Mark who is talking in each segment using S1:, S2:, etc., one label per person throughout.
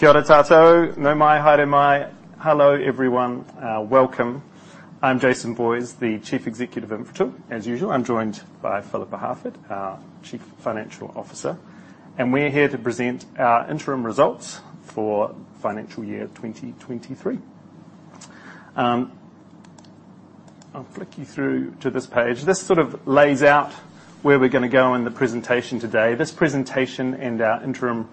S1: (Kia ora koutou. Nau mai, haere mai.) Hello, everyone. Welcome. I'm Jason Boyes, the Chief Executive of Infratil. As usual, I'm joined by Phillippa Harford, our Chief Financial Officer, and we're here to present our interim results for financial year 2023. I'll flick you through to this page. This sort of lays out where we're gonna go in the presentation today. This presentation and our interim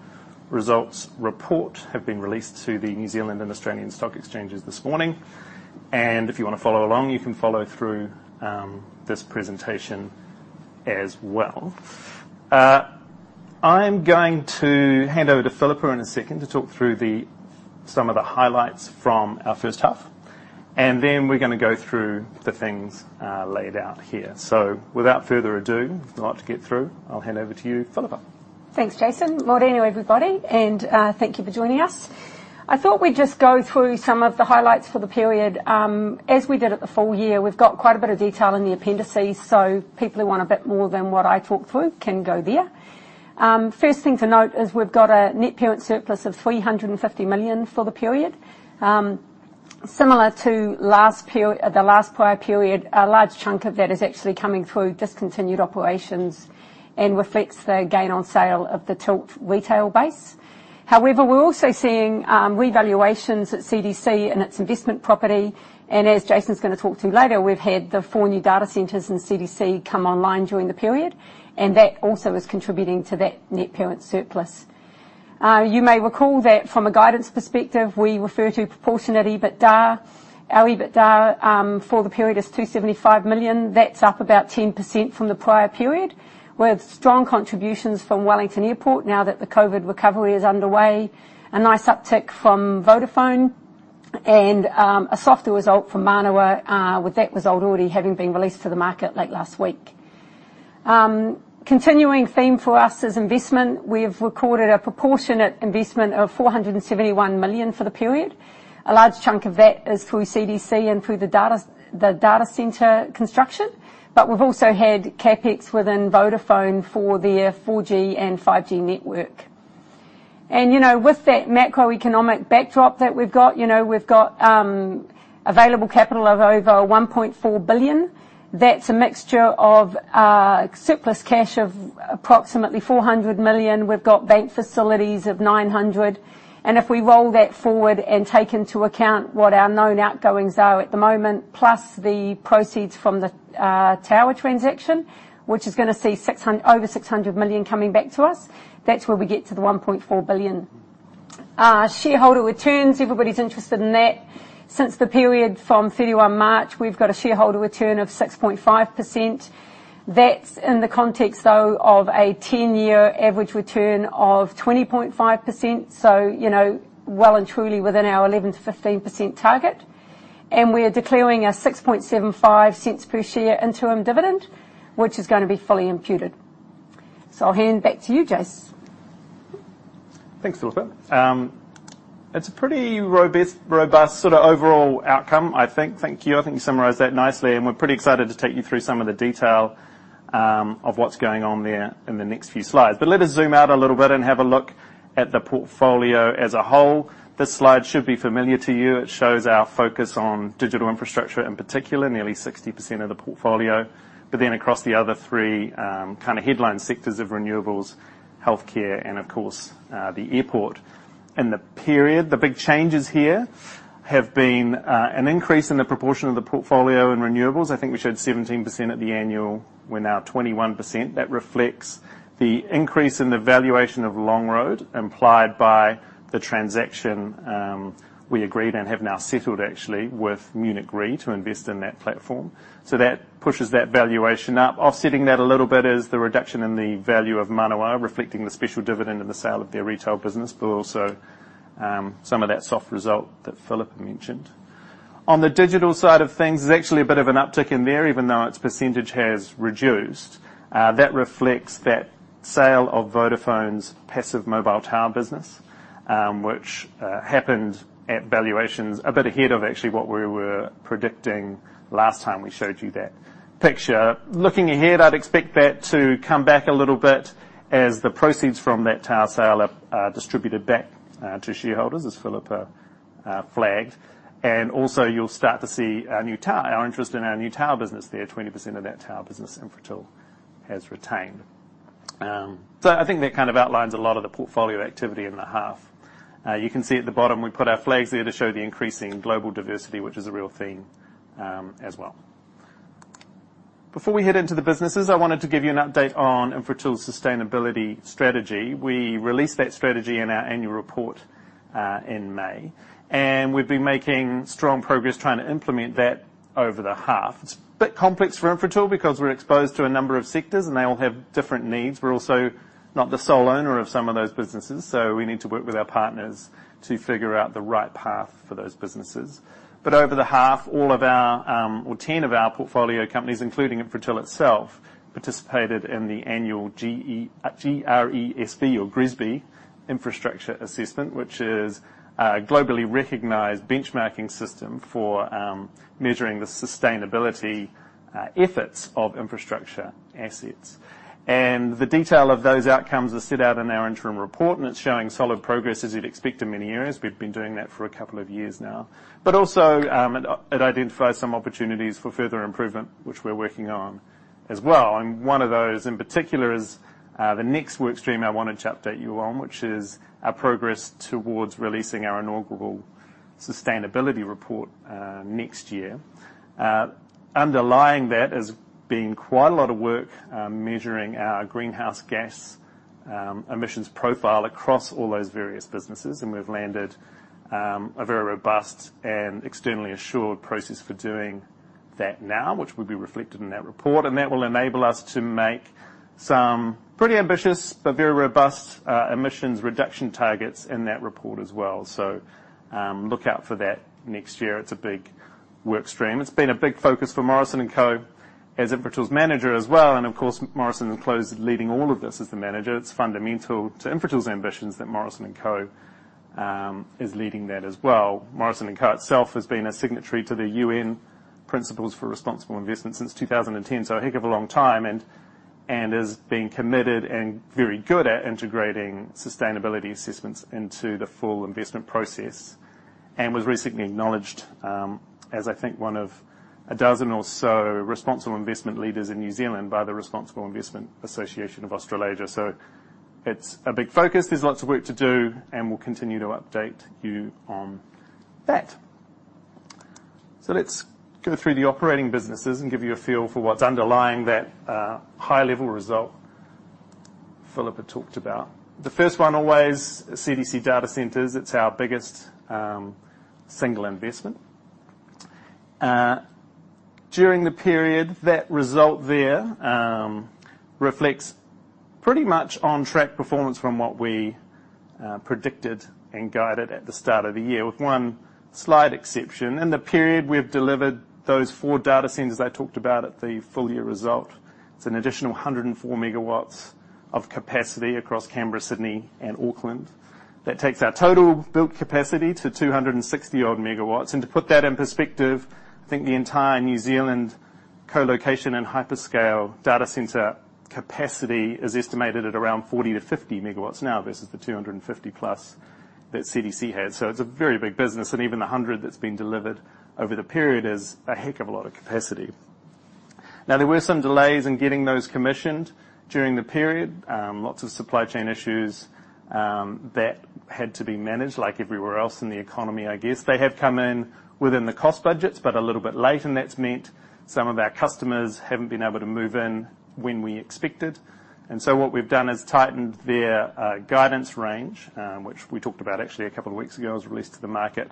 S1: results report have been released to the New Zealand and Australian Stock Exchanges this morning. If you wanna follow along, you can follow through this presentation as well. I'm going to hand over to Phillippa in a second to talk through some of the highlights from our H1, and then we're gonna go through the things laid out here. Without further ado, we've got a lot to get through. I'll hand over to you, Phillippa.
S2: Thanks, Jason.(Morena), everybody, and thank you for joining us. I thought we'd just go through some of the highlights for the period, as we did at the full year. We've got quite a bit of detail in the appendices, so people who want a bit more than what I talk through can go there. First thing to note is we've got a net parent surplus of 350 million for the period. Similar to last period, the last prior period, a large chunk of that is actually coming through discontinued operations and reflects the gain on sale of the Tilt Renewables. However, we're also seeing revaluations at CDC and its investment property, and as Jason's gonna talk to you later, we've had the 4 new data centers in CDC come online during the period, and that also is contributing to that net parent surplus. You may recall that from a guidance perspective, we refer to proportionate EBITDA. Our EBITDA for the period is 275 million. That's up about 10% from the prior period, with strong contributions from Wellington Airport now that the COVID recovery is underway, a nice uptick from Vodafone, and a softer result from Manawa, with that result already having been released to the market late last week. Continuing theme for us is investment. We have recorded a proportionate investment of 471 million for the period. A large chunk of that is through CDC and through the data center construction, but we've also had CapEx within Vodafone for their 4G and 5G network. You know, with that macroeconomic backdrop that we've got, you know, we've got available capital of over 1.4 billion. That's a mixture of surplus cash of approximately 400 million. We've got bank facilities of 900 million. If we roll that forward and take into account what our known outgoings are at the moment, plus the proceeds from the tower transaction, which is gonna see over 600 million coming back to us, that's where we get to the 1.4 billion. Shareholder returns, everybody's interested in that. Since the period from 31 March, we've got a shareholder return of 6.5%. That's in the context though of a 10-year average return of 20.5%, so, you know, well and truly within our 11%-15% target. We're declaring a 0.0675 per share interim dividend, which is gonna be fully imputed. I'll hand back to you, Jason.
S1: Thanks, Phillippa. It's a pretty robust sort of overall outcome I think. Thank you. I think you summarized that nicely, and we're pretty excited to take you through some of the detail of what's going on there in the next few slides. Let us zoom out a little bit and have a look at the portfolio as a whole. This slide should be familiar to you. It shows our focus on digital infrastructure, in particular, nearly 60% of the portfolio, but then across the other three kind of headline sectors of renewables, healthcare, and of course, the airport. In the period, the big changes here have been an increase in the proportion of the portfolio and renewables. I think we showed 17% at the annual. We're now 21%. That reflects the increase in the valuation of Longroad implied by the transaction. We agreed and have now settled actually with Munich Re to invest in that platform. That pushes that valuation up. Offsetting that a little bit is the reduction in the value of Manawa, reflecting the special dividend and the sale of their retail business, but also, some of that soft result that Philippa mentioned. On the digital side of things, there's actually a bit of an uptick in there, even though its percentage has reduced. That reflects that sale of Vodafone's passive mobile tower business, which happened at valuations a bit ahead of actually what we were predicting last time we showed you that picture. Looking ahead, I'd expect that to come back a little bit as the proceeds from that tower sale are distributed back to shareholders, as Phillippa flagged. Also you'll start to see our interest in our new tower business there, 20% of that tower business Infratil has retained. I think that kind of outlines a lot of the portfolio activity in the half. You can see at the bottom we put our flags there to show the increasing global diversity, which is a real theme, as well. Before we head into the businesses, I wanted to give you an update on Infratil's sustainability strategy. We released that strategy in our annual report in May, and we've been making strong progress trying to implement that over the half. It's a bit complex for Infratil because we're exposed to a number of sectors, and they all have different needs. We're also not the sole owner of some of those businesses, so we need to work with our partners to figure out the right path for those businesses. Over the half, all of our or 10 of our portfolio companies, including Infratil itself, participated in the annual GRESB Infrastructure Assessment, which is globally recognized benchmarking system for measuring the sustainability efforts of infrastructure assets. The detail of those outcomes are set out in our interim report, and it's showing solid progress as you'd expect in many areas. We've been doing that for a couple of years now. Also, it identifies some opportunities for further improvement, which we're working on as well. One of those in particular is the next workstream I wanted to update you on, which is our progress towards releasing our inaugural sustainability report next year. Underlying that has been quite a lot of work measuring our greenhouse gas emissions profile across all those various businesses, and we've landed a very robust and externally assured process for doing that now, which will be reflected in that report. That will enable us to make some pretty ambitious but very robust emissions reduction targets in that report as well. Look out for that next year. It's a big workstream. It's been a big focus for Morrison & Co. as Infratil's manager as well, and of course, Morrison & Co. is leading all of this as the manager. It's fundamental to Infratil's ambitions that Morrison & Co. is leading that as well. Morrison & Co. itself has been a signatory to the UN Principles for Responsible Investment since 2010, so a heck of a long time, and has been committed and very good at integrating sustainability assessments into the full investment process, and was recently acknowledged as I think one of a dozen or so responsible investment leaders in New Zealand by the Responsible Investment Association Australasia. It's a big focus. There's lots of work to do, and we'll continue to update you on that. Let's go through the operating businesses and give you a feel for what's underlying that high-level result Philippa had talked about. The first one always, CDC Data Centres. It's our biggest single investment. During the period, that result there reflects pretty much on track performance from what we predicted and guided at the start of the year, with one slight exception. In the period, we've delivered those four data centers I talked about at the full-year result. It's an additional 104 megawatts of capacity across Canberra, Sydney and Auckland. That takes our total built capacity to 260-odd megawatts. To put that in perspective, I think the entire New Zealand colocation and hyperscale data center capacity is estimated at around 40-50 megawatts now, versus the 250+ that CDC has. It's a very big business, and even the hundred that's been delivered over the period is a heck of a lot of capacity. Now, there were some delays in getting those commissioned during the period. Lots of supply chain issues that had to be managed like everywhere else in the economy, I guess. They have come in within the cost budgets, but a little bit late, and that's meant some of our customers haven't been able to move in when we expected. What we've done is tightened their guidance range, which we talked about actually a couple of weeks ago, it was released to the market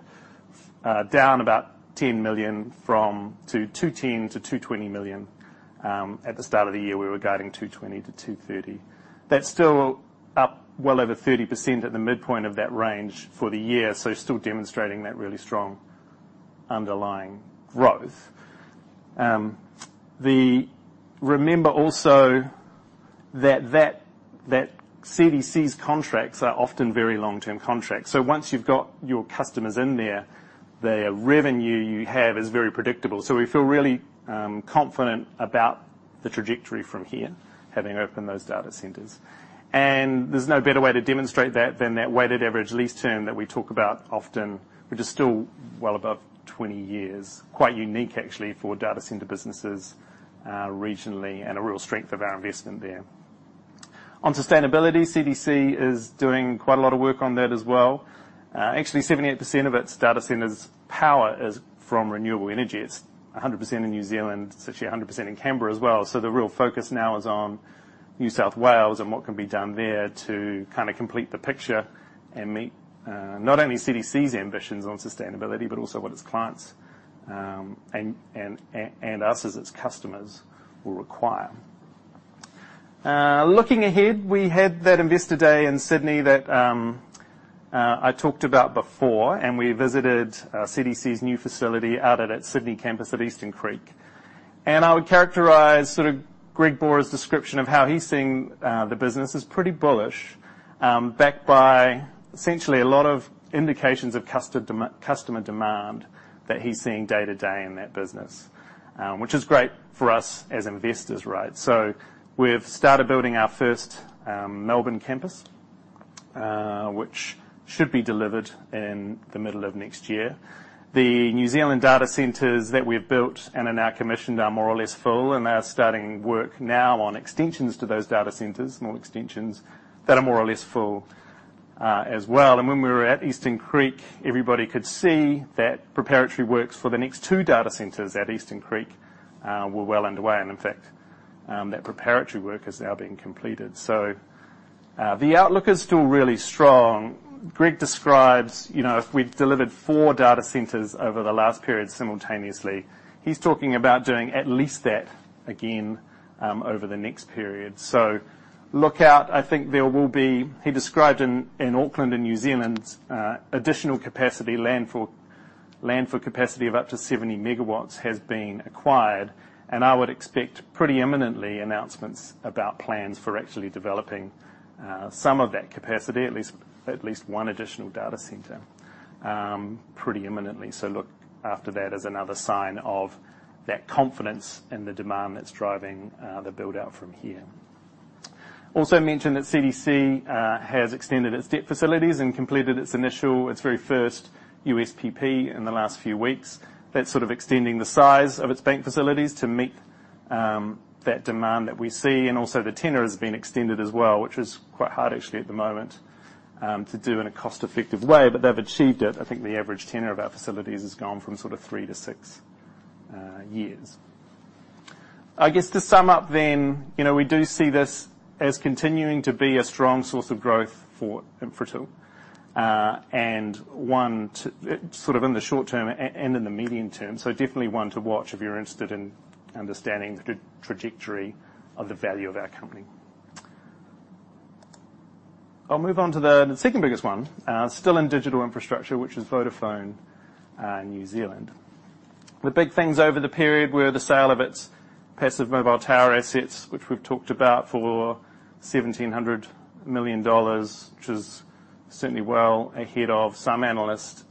S1: down about 10 million to 210 million-220 million. At the start of the year, we were guiding 220 million-230 million. That's still up well over 30% at the midpoint of that range for the year. Still demonstrating that really strong underlying growth. Remember also that CDC's contracts are often very long-term contracts. Once you've got your customers in there, the revenue you have is very predictable. We feel really confident about the trajectory from here, having opened those data centers. There's no better way to demonstrate that than that weighted average lease term that we talk about often, which is still well above 20 years. Quite unique actually for data center businesses, regionally, and a real strength of our investment there. On sustainability, CDC is doing quite a lot of work on that as well. Actually, 78% of its data centers' power is from renewable energy. It's 100% in New Zealand, it's actually 100% in Canberra as well. The real focus now is on New South Wales and what can be done there to kinda complete the picture and meet not only CDC's ambitions on sustainability, but also what its clients and us, as its customers, will require. Looking ahead, we had that investor day in Sydney that I talked about before, and we visited CDC's new facility out at its Sydney campus at Eastern Creek. I would characterize sorta Greg Boorer's description of how he's seeing the business as pretty bullish, backed by essentially a lot of indications of customer demand that he's seeing day to day in that business, which is great for us as investors, right? We've started building our first Melbourne campus, which should be delivered in the middle of next year. The New Zealand data centers that we've built and are now commissioned are more or less full, and they are starting work now on extensions to those data centers, small extensions that are more or less full, as well. When we were at Eastern Creek, everybody could see that preparatory works for the next two data centers at Eastern Creek were well underway. In fact, that preparatory work has now been completed. The outlook is still really strong. Greg describes, you know, if we've delivered four data centers over the last period simultaneously, he's talking about doing at least that again, over the next period. Look out. I think there will be. He described in Auckland and New Zealand additional capacity land for land for capacity of up to 70 MW has been acquired, and I would expect pretty imminently announcements about plans for actually developing some of that capacity, at least one additional data center, pretty imminently. Look at that as another sign of that confidence in the demand that's driving the build-out from here. Also mention that CDC has extended its debt facilities and completed its initial, very first USPP in the last few weeks. That's sort of extending the size of its bank facilities to meet that demand that we see. Also the tenor has been extended as well, which is quite hard actually at the moment to do in a cost-effective way, but they've achieved it. I think the average tenor of our facilities has gone from sort of three to six years. I guess to sum up then, you know, we do see this as continuing to be a strong source of growth for Infratil. One to sort of in the short term and in the medium term, so definitely one to watch if you're interested in understanding the trajectory of the value of our company. I'll move on to the second biggest one, still in digital infrastructure, which is Vodafone in New Zealand. The big things over the period were the sale of its passive mobile tower assets, which we've talked about for 1,700 million dollars, which is certainly well ahead of some analyst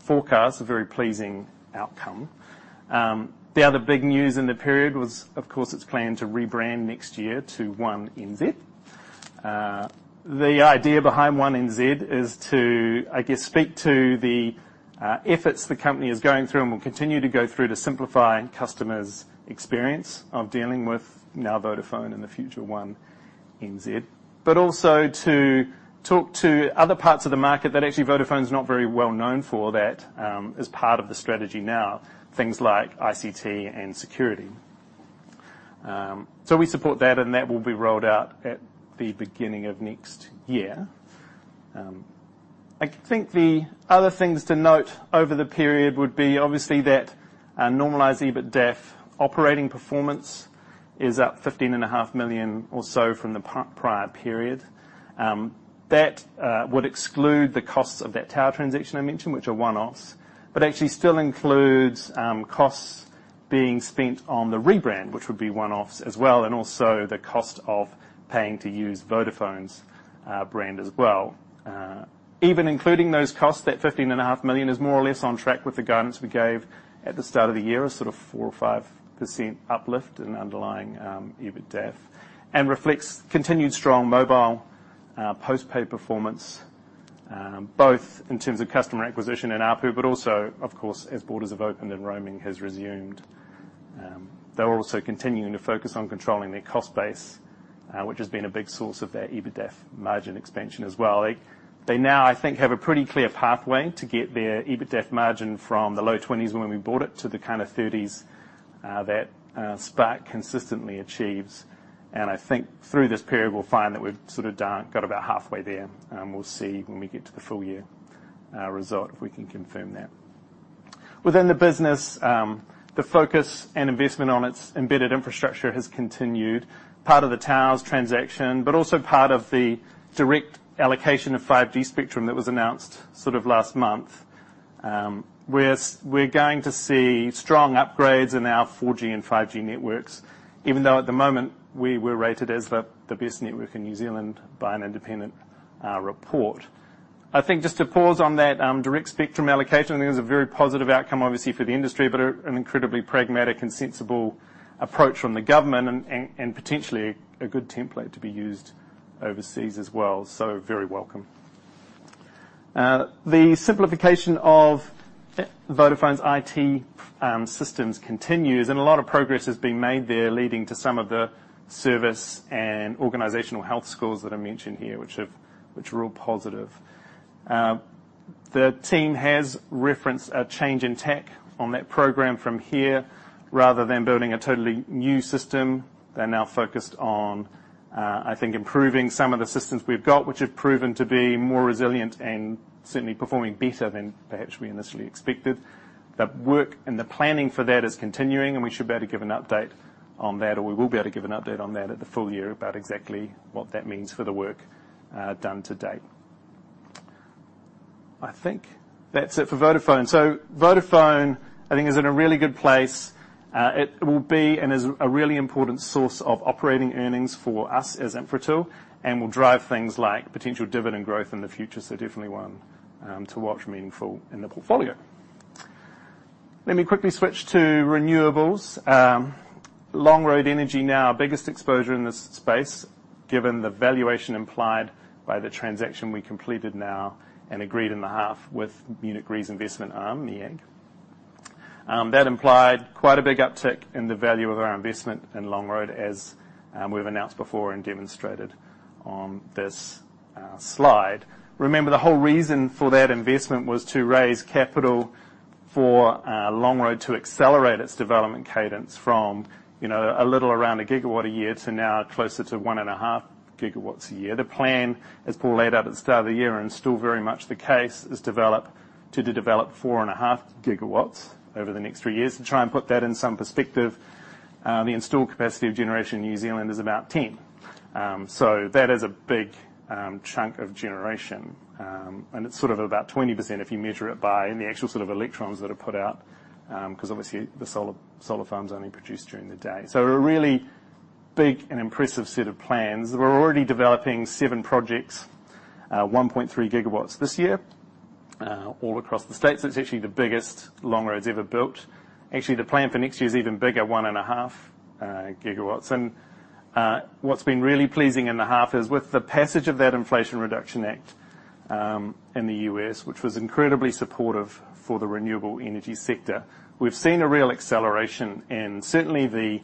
S1: forecasts. A very pleasing outcome. The other big news in the period was, of course, its plan to rebrand next year to One NZ. The idea behind One NZ is to, I guess, speak to the efforts the company is going through and will continue to go through to simplify customers' experience of dealing with now Vodafone, in the future One NZ. But also to talk to other parts of the market that actually Vodafone is not very well known for that, as part of the strategy now, things like ICT and security. We support that, and that will be rolled out at the beginning of next year. I think the other things to note over the period would be obviously that our normalized EBITDAF operating performance is up 15.5 million or so from the prior period. That would exclude the costs of that tower transaction I mentioned, which are one-offs, but actually still includes costs being spent on the rebrand, which would be one-offs as well, and also the cost of paying to use Vodafone's brand as well. Even including those costs, that 15.5 million is more or less on track with the guidance we gave at the start of the year, a sort of 4%-5% uplift in underlying EBITDAF, and reflects continued strong mobile post-pay performance both in terms of customer acquisition and ARPU, but also, of course, as borders have opened and roaming has resumed. They're also continuing to focus on controlling their cost base, which has been a big source of their EBITDAF margin expansion as well. They now, I think, have a pretty clear pathway to get their EBITDAF margin from the low 20s% when we bought it to the kind of 30s% that Spark consistently achieves. I think through this period, we'll find that we've sort of got about halfway there. We'll see when we get to the full-year result if we can confirm that. Within the business, the focus and investment on its embedded infrastructure has continued. Part of the towers transaction, but also part of the direct allocation of 5G spectrum that was announced sort of last month, we're going to see strong upgrades in our 4G and 5G networks, even though at the moment we were rated as the best network in New Zealand by an independent report. I think just to pause on that, direct spectrum allocation, I think it was a very positive outcome obviously for the industry, but an incredibly pragmatic and sensible approach from the government and potentially a good template to be used overseas as well. Very welcome. The simplification of Vodafone's IT systems continues, and a lot of progress has been made there, leading to some of the service and organizational health scores that I mentioned here, which are all positive. The team has referenced a change in tech on that program from here. Rather than building a totally new system, they're now focused on, I think, improving some of the systems we've got, which have proven to be more resilient and certainly performing better than perhaps we initially expected. The work and the planning for that is continuing, and we should be able to give an update on that, or we will be able to give an update on that at the full year about exactly what that means for the work, done to date. I think that's it for Vodafone. Vodafone, I think is in a really good place. It will be and is a really important source of operating earnings for us as Infratil and will drive things like potential dividend growth in the future. Definitely one to watch meaningful in the portfolio. Let me quickly switch to renewables. Longroad Energy, now our biggest exposure in this space, given the valuation implied by the transaction we completed now and agreed in the half with Munich Re's investment arm, MEAG. That implied quite a big uptick in the value of our investment in Longroad, as we've announced before and demonstrated on this slide. Remember, the whole reason for that investment was to raise capital for Longroad to accelerate its development cadence from, you know, a little around 1 gigawatt a year to now closer to 1.5 gigawatts a year. The plan, as Paul laid out at the start of the year and still very much the case, is to develop 4.5 gigawatts over the next three years. To try and put that in some perspective, the installed capacity of generation in New Zealand is about 10. So that is a big chunk of generation. It's sort of about 20% if you measure it by in the actual sort of electrons that are put out, 'cause obviously the solar farms only produce during the day. A really big and impressive set of plans. We're already developing 7 projects, 1.3 gigawatts this year, all across the States. It's actually the biggest Longroad's ever built. Actually, the plan for next year is even bigger, 1.5 gigawatts. What's been really pleasing in the half is with the passage of that Inflation Reduction Act, in the US, which was incredibly supportive for the renewable energy sector, we've seen a real acceleration in certainly the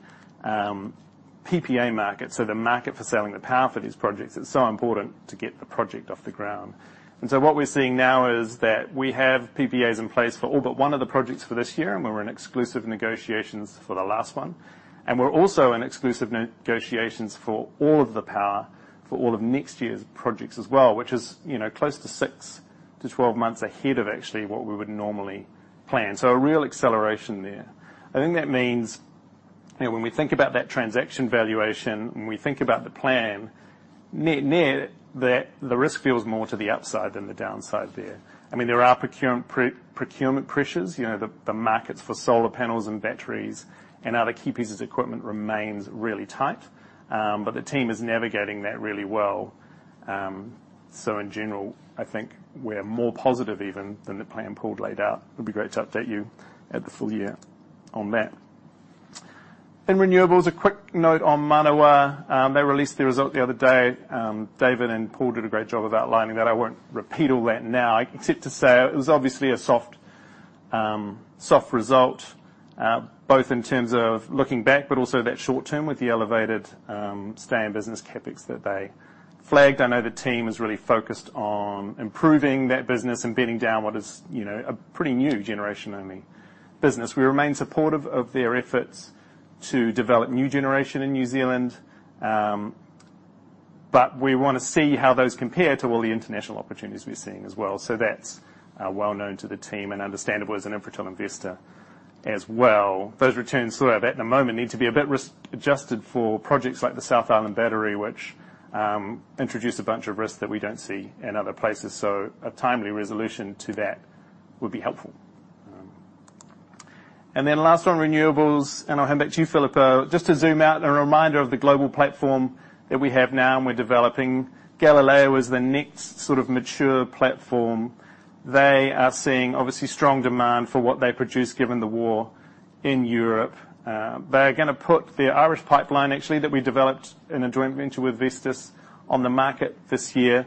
S1: PPA market, so the market for selling the power for these projects. It's so important to get the project off the ground. What we're seeing now is that we have PPAs in place for all but one of the projects for this year, and we're in exclusive negotiations for the last one. We're also in exclusive negotiations for all of the power for all of next year's projects as well, which is, you know, close to 6-12 months ahead of actually what we would normally plan. A real acceleration there. I think that means, you know, when we think about that transaction valuation, when we think about the plan, net-net, the risk feels more to the upside than the downside there. I mean, there are procurement pressures. You know, the markets for solar panels and batteries and other key pieces of equipment remains really tight, but the team is navigating that really well. In general, I think we're more positive even than the plan Paul laid out. It'll be great to update you at the full year on that. In renewables, a quick note on Manawa. They released the result the other day. David and Paul did a great job of outlining that. I won't repeat all that now, except to say it was obviously a soft result, both in terms of looking back, but also that short term with the elevated stay in business CapEx that they flagged. I know the team is really focused on improving that business and bedding down what is, you know, a pretty new generation-only business. We remain supportive of their efforts to develop new generation in New Zealand, but we wanna see how those compare to all the international opportunities we're seeing as well. That's well known to the team and understandable as an Infratil investor as well. Those returns sort of at the moment need to be a bit risk adjusted for projects like the South Island battery, which introduce a bunch of risks that we don't see in other places. A timely resolution to that would be helpful. Last one, renewables, and I'll hand back to you, Philippa. Just to zoom out, a reminder of the global platform that we have now and we're developing. Galileo is the next sort of mature platform. They are seeing obviously strong demand for what they produce given the war in Europe. They're gonna put the Irish pipeline actually that we developed in a joint venture with Vestas on the market this year.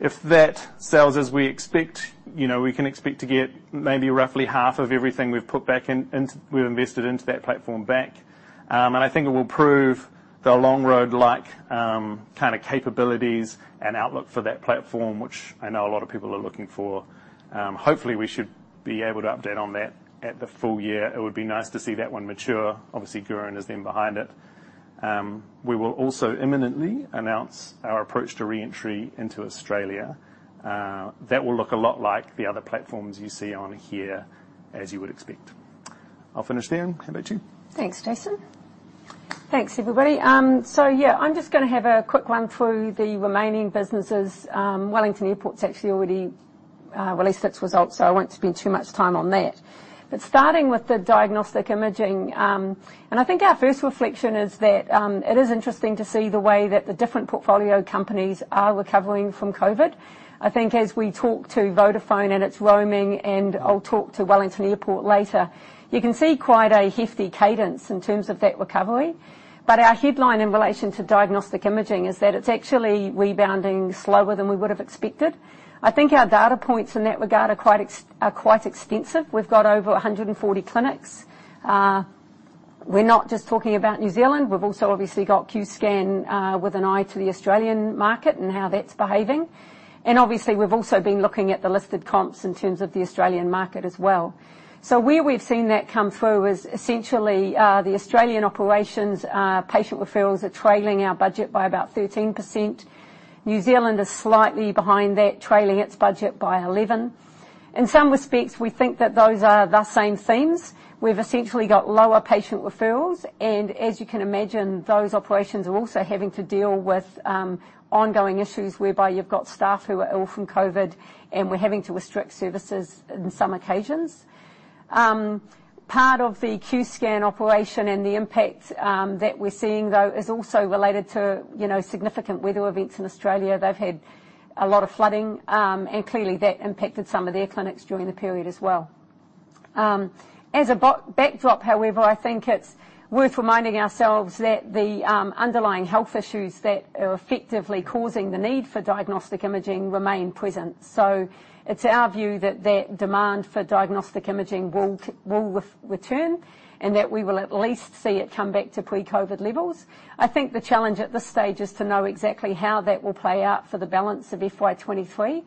S1: If that sells as we expect, you know, we can expect to get maybe roughly half of everything we've invested into that platform back. I think it will prove the Longroad-like kind of capabilities and outlook for that platform, which I know a lot of people are looking for. Hopefully, we should be able to update on that at the full year. It would be nice to see that one mature. Obviously, Gurin is then behind it. We will also imminently announce our approach to reentry into Australia. That will look a lot like the other platforms you see on here, as you would expect. I'll finish there. Hand back to you.
S2: Thanks, Jason. Thanks, everybody. Yeah, I'm just gonna have a quick run through the remaining businesses. Wellington Airport's actually already released its results, so I won't spend too much time on that. Starting with the diagnostic imaging, and I think our first reflection is that, it is interesting to see the way that the different portfolio companies are recovering from COVID. I think as we talk to Vodafone and its roaming, and I'll talk to Wellington Airport later, you can see quite a hefty cadence in terms of that recovery. Our headline in relation to diagnostic imaging is that it's actually rebounding slower than we would have expected. I think our data points in that regard are quite extensive. We've got over 140 clinics. We're not just talking about New Zealand. We've also obviously got Qscan, with an eye to the Australian market and how that's behaving. Obviously, we've also been looking at the listed comps in terms of the Australian market as well. Where we've seen that come through is essentially the Australian operations, patient referrals are trailing our budget by about 13%. New Zealand is slightly behind that, trailing its budget by 11%. In some respects, we think that those are the same themes. We've essentially got lower patient referrals, and as you can imagine, those operations are also having to deal with ongoing issues whereby you've got staff who are ill from COVID, and we're having to restrict services in some occasions. Part of the Qscan operation and the impact that we're seeing though is also related to, you know, significant weather events in Australia. They've had a lot of flooding, and clearly that impacted some of their clinics during the period as well. As a backdrop, however, I think it's worth reminding ourselves that the underlying health issues that are effectively causing the need for diagnostic imaging remain present. It's our view that demand for diagnostic imaging will return, and that we will at least see it come back to pre-COVID levels. I think the challenge at this stage is to know exactly how that will play out for the balance of FY 2023.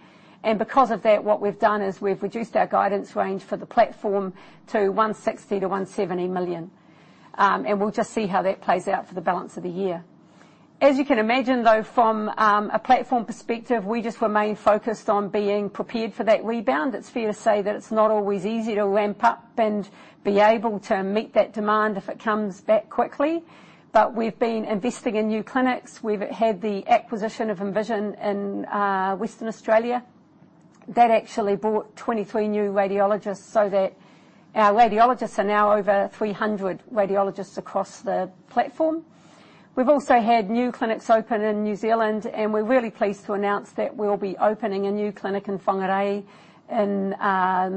S2: Because of that, what we've done is we've reduced our guidance range for the platform to 160 million-170 million. We'll just see how that plays out for the balance of the year. As you can imagine, though, from a platform perspective, we just remain focused on being prepared for that rebound. It's fair to say that it's not always easy to ramp up and be able to meet that demand if it comes back quickly. We've been investing in new clinics. We've had the acquisition of Envision in Western Australia. That actually brought 23 new radiologists so that our radiologists are now over 300 radiologists across the platform. We've also had new clinics open in New Zealand, and we're really pleased to announce that we'll be opening a new clinic in Whangarei in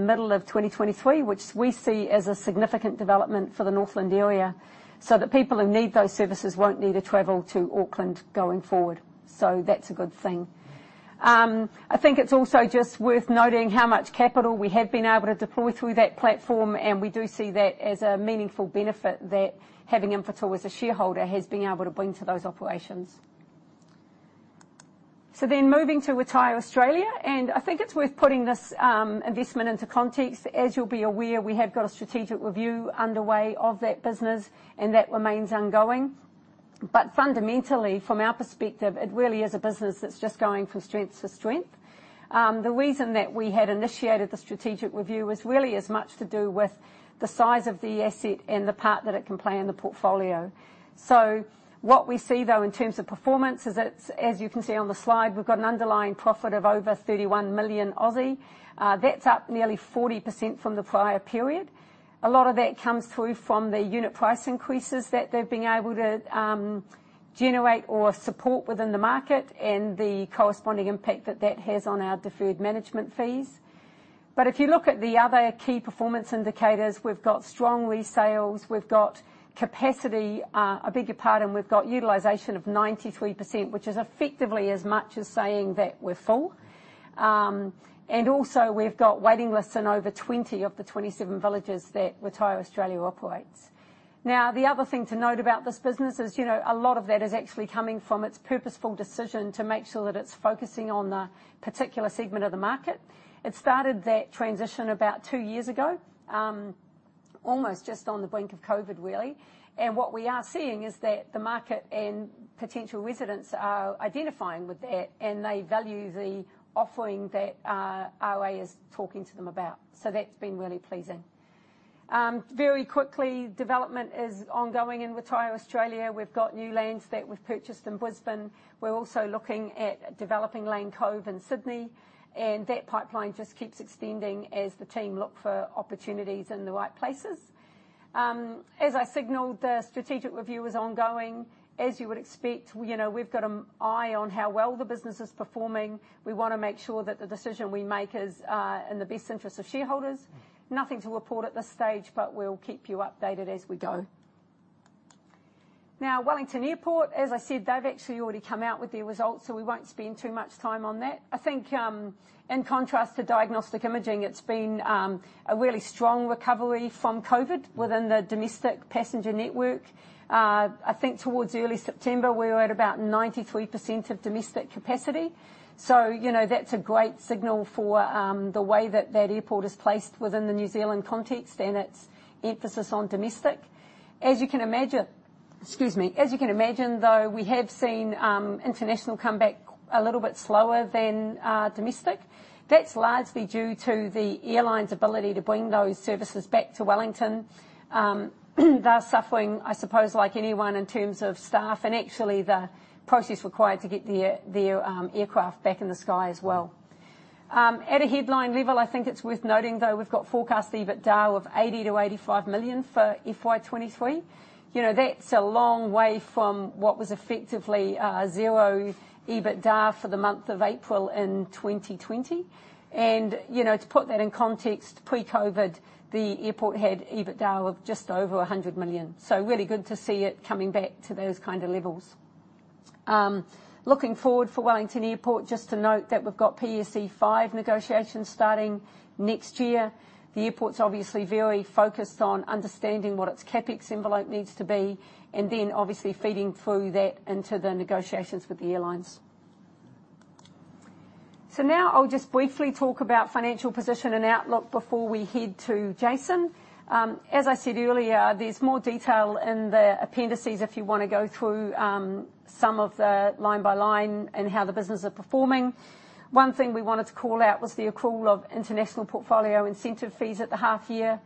S2: middle of 2023, which we see as a significant development for the Northland area, so that people who need those services won't need to travel to Auckland going forward. That's a good thing. I think it's also just worth noting how much capital we have been able to deploy through that platform, and we do see that as a meaningful benefit that having Infratil as a shareholder has been able to bring to those operations. Moving to RetireAustralia, and I think it's worth putting this investment into context. As you'll be aware, we have got a strategic review underway of that business and that remains ongoing. Fundamentally, from our perspective, it really is a business that's just going from strength to strength. The reason that we had initiated the strategic review was really as much to do with the size of the asset and the part that it can play in the portfolio. What we see, though, in terms of performance is it's, as you can see on the slide, we've got an underlying profit of over 31 million. That's up nearly 40% from the prior period. A lot of that comes through from the unit price increases that they've been able to generate or support within the market and the corresponding impact that that has on our deferred management fees. But if you look at the other key performance indicators, we've got strong resales. We've got utilization of 93%, which is effectively as much as saying that we're full. And also we've got waiting lists in over 20 of the 27 villages that RetireAustralia operates. Now, the other thing to note about this business is, you know, a lot of that is actually coming from its purposeful decision to make sure that it's focusing on the particular segment of the market. It started that transition about two years ago, almost just on the brink of COVID, really. What we are seeing is that the market and potential residents are identifying with that, and they value the offering that OA is talking to them about. That's been really pleasing. Very quickly, development is ongoing in RetireAustralia. We've got new lands that we've purchased in Brisbane. We're also looking at developing Lane Cove in Sydney, and that pipeline just keeps extending as the team look for opportunities in the right places. As I signaled, the strategic review is ongoing. As you would expect, you know, we've got an eye on how well the business is performing. We wanna make sure that the decision we make is in the best interest of shareholders. Nothing to report at this stage, but we'll keep you updated as we go. Now, Wellington Airport, as I said, they've actually already come out with their results, so we won't spend too much time on that. I think, in contrast to diagnostic imaging, it's been a really strong recovery from COVID within the domestic passenger network. I think towards early September, we were at about 93% of domestic capacity. So, you know, that's a great signal for the way that that airport is placed within the New Zealand context and its emphasis on domestic. As you can imagine. Excuse me. As you can imagine, though, we have seen international come back a little bit slower than domestic. That's largely due to the airline's ability to bring those services back to Wellington. They're suffering, I suppose, like anyone in terms of staff and actually the process required to get the aircraft back in the sky as well. At a headline level, I think it's worth noting, though, we've got forecast EBITDA of 80-85 million for FY 2023. You know, that's a long way from what was effectively zero EBITDA for the month of April in 2020. You know, to put that in context, pre-COVID, the airport had EBITDA of just over 100 million. Really good to see it coming back to those kind of levels. Looking forward for Wellington Airport, just to note that we've got PSE5 negotiations starting next year. The airport's obviously very focused on understanding what its CapEx envelope needs to be, and then obviously feeding through that into the negotiations with the airlines. Now I'll just briefly talk about financial position and outlook before we head to Jason. As I said earlier, there's more detail in the appendices if you wanna go through some of the line by line and how the businesses are performing. One thing we wanted to call out was the accrual of international portfolio incentive fees at the half-year.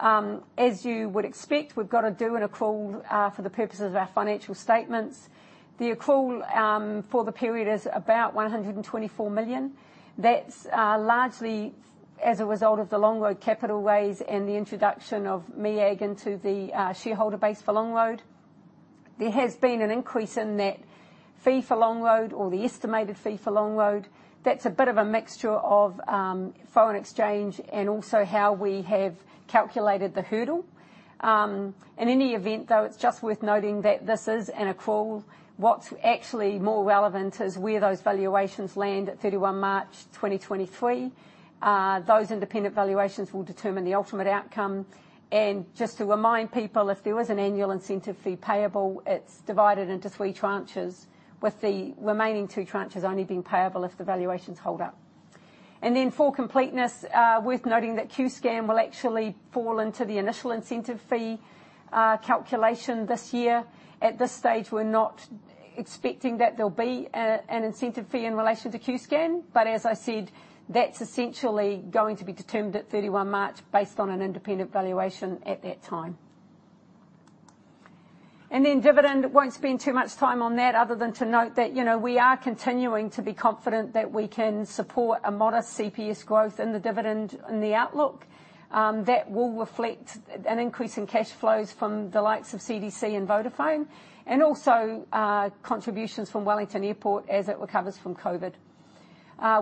S2: As you would expect, we've got to do an accrual for the purposes of our financial statements. The accrual for the period is about 124 million. That's largely as a result of the Longroad capital raise and the introduction of MEAG into the shareholder base for Longroad. There has been an increase in that fee for Longroad or the estimated fee for Longroad. That's a bit of a mixture of foreign exchange and also how we have calculated the hurdle. In any event, though, it's just worth noting that this is an accrual. What's actually more relevant is where those valuations land at 31 March 2023. Those independent valuations will determine the ultimate outcome. Just to remind people, if there was an annual incentive fee payable, it's divided into three tranches, with the remaining two tranches only being payable if the valuations hold up. For completeness, worth noting that Qscan will actually fall into the initial incentive fee calculation this year. At this stage, we're not expecting that there'll be an incentive fee in relation to Qscan. As I said, that's essentially going to be determined at 31 March based on an independent valuation at that time. Dividend, I won't spend too much time on that other than to note that, you know, we are continuing to be confident that we can support a modest CPS growth in the dividend in the outlook. That will reflect an increase in cash flows from the likes of CDC and Vodafone, and also contributions from Wellington Airport as it recovers from COVID.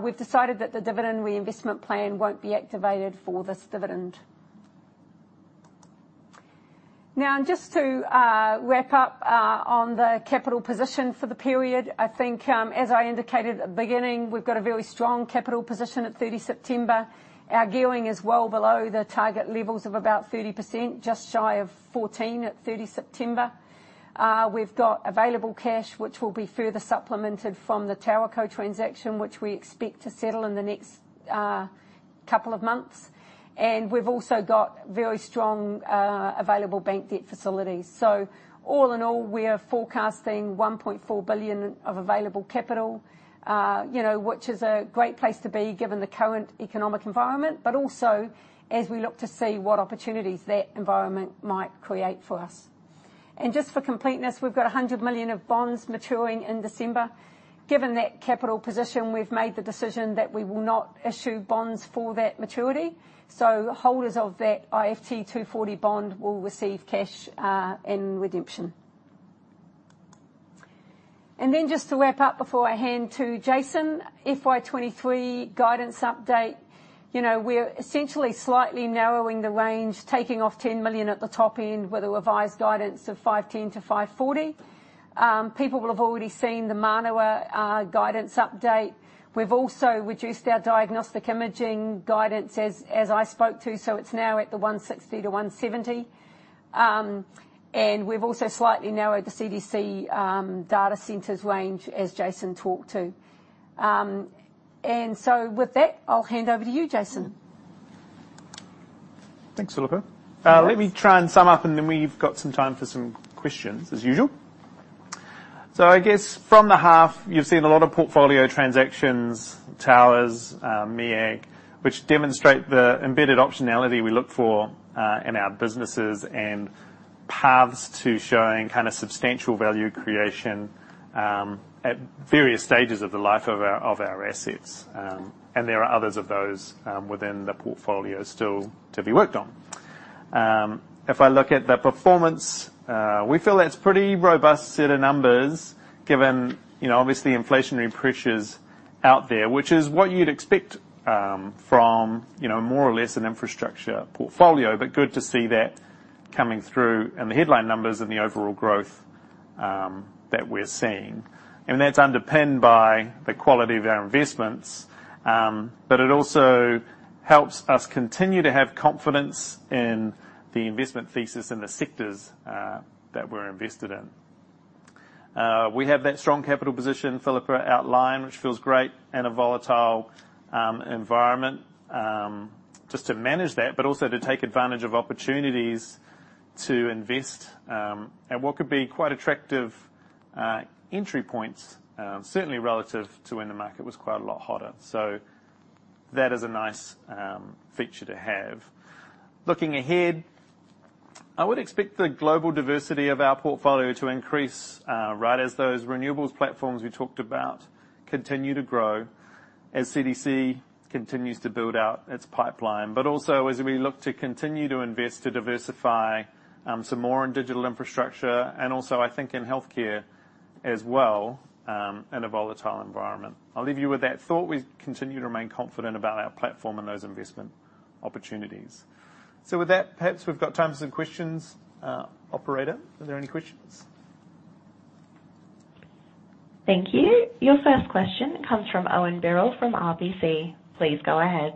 S2: We've decided that the dividend reinvestment plan won't be activated for this dividend. Now, just to wrap up on the capital position for the period, I think as I indicated at the beginning, we've got a very strong capital position at 30 September. Our gearing is well below the target levels of about 30%, just shy of 14% at 30 September. We've got available cash, which will be further supplemented from the TowerCo transaction, which we expect to settle in the next couple of months. We've also got very strong available bank debt facilities. All in all, we're forecasting 1.4 billion of available capital, you know, which is a great place to be given the current economic environment, but also as we look to see what opportunities that environment might create for us. Just for completeness, we've got 100 million of bonds maturing in December. Given that capital position, we've made the decision that we will not issue bonds for that maturity. Holders of that IFT240 bond will receive cash in redemption. Then just to wrap up before I hand to Jason, FY 2023 guidance update. You know, we're essentially slightly narrowing the range, taking off 10 million at the top end with a revised guidance of 510 million-540 million. People will have already seen the Manawa guidance update. We've also reduced our diagnostic imaging guidance as I spoke to, so it's now at 160 million-170 million. We've also slightly narrowed the CDC data centres range as Jason talked to. With that, I'll hand over to you, Jason.
S1: Thanks, Philippa. Let me try and sum up, and then we've got some time for some questions as usual. I guess from the half, you've seen a lot of portfolio transactions, towers, MEAG, which demonstrate the embedded optionality we look for in our businesses and paths to showing kind of substantial value creation at various stages of the life of our assets. There are others of those within the portfolio still to be worked on. If I look at the performance, we feel it's pretty robust set of numbers given, you know, obviously inflationary pressures out there, which is what you'd expect from, you know, more or less an infrastructure portfolio. Good to see that coming through in the headline numbers and the overall growth that we're seeing. That's underpinned by the quality of our investments, but it also helps us continue to have confidence in the investment thesis in the sectors that we're invested in. We have that strong capital position Philippa outlined, which feels great in a volatile environment. Just to manage that, but also to take advantage of opportunities to invest at what could be quite attractive entry points, certainly relative to when the market was quite a lot hotter. That is a nice feature to have. Looking ahead, I would expect the global diversity of our portfolio to increase right as those renewables platforms we talked about continue to grow, as CDC continues to build out its pipeline. As we look to continue to invest to diversify, some more in digital infrastructure and also I think in healthcare as well, in a volatile environment. I'll leave you with that thought. We continue to remain confident about our platform and those investment opportunities. With that, perhaps we've got time for some questions. Operator, are there any questions?
S3: Thank you. Your first question comes from Owen Birrell from RBC. Please go ahead.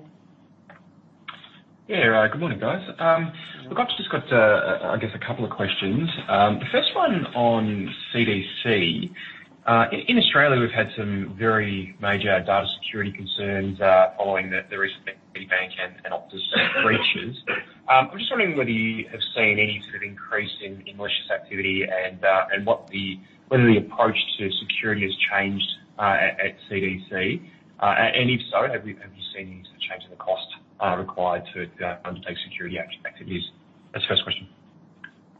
S4: Yeah. Good morning, guys. Look, I've just got, I guess a couple of questions. The first one on CDC. In Australia, we've had some very major data security concerns following the recent Optus and Medibank breaches. I'm just wondering whether you have seen any sort of increase in malicious activity and whether the approach to security has changed at CDC. If so, have you seen any sort of change in the cost required to undertake security activities? That's the first question.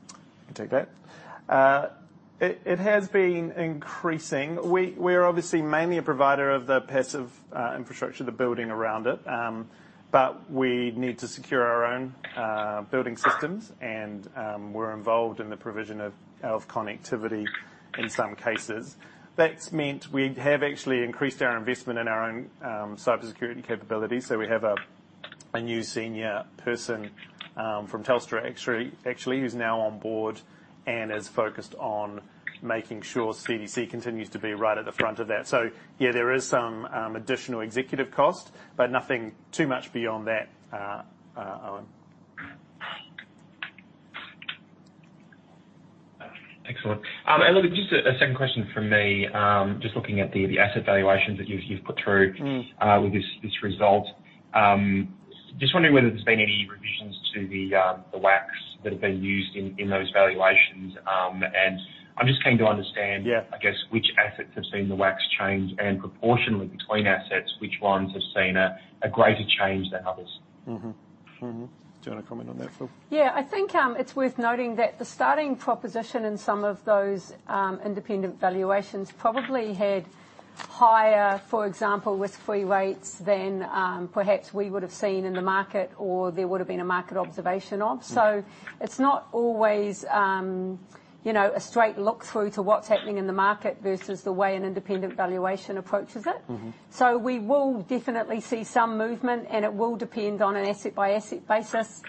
S1: I can take that. It has been increasing. We're obviously mainly a provider of the passive infrastructure, the building around it. We need to secure our own building systems, and we're involved in the provision of connectivity in some cases. That's meant we have actually increased our investment in our own cybersecurity capabilities. We have a new senior person from Telstra actually, who's now on board and is focused on making sure CDC continues to be right at the front of that. Yeah, there is some additional executive cost, but nothing too much beyond that, Owen.
S4: Excellent. Look, just a second question from me. Just looking at the asset valuations that you've put through.
S1: Mm.
S4: With this result, just wondering whether there's been any revisions to the WACC that have been used in those valuations, and I'm just keen to understand-
S1: Yeah.
S4: I guess, which assets have seen the WACC change, and proportionally between assets, which ones have seen a greater change than others?
S1: Mm-hmm. Mm-hmm. Do you wanna comment on that, Phil?
S2: Yeah, I think it's worth noting that the starting proposition in some of those independent valuations probably had higher, for example, risk-free rates than perhaps we would've seen in the market or there would've been a market observation of.
S1: Mm-hmm.
S2: It's not always, you know, a straight look-through to what's happening in the market versus the way an independent valuation approaches it.
S1: Mm-hmm.
S2: We will definitely see some movement, and it will depend on an asset by asset basis,